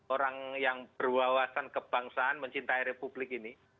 orang yang berwawasan kebangsaan mencintai republik ini